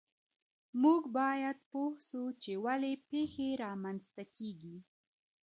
موږ باید پوه سو چې ولې پیښې رامنځته کیږي.